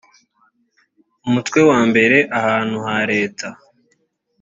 umutwe wa mbere ahantu ha leta